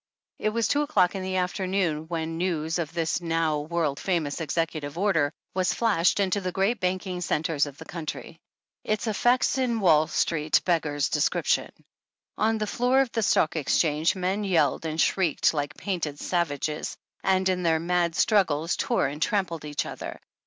It was two o'clock in the afternoon when news of this now world famous Executive Order was flashed into the great banking centres of the country. Its effect in Wall street beggars description. On the floor of the Stock Exchange men yelled and shrieked like painted savages, and, in their mad struggles, tore and trampled each other.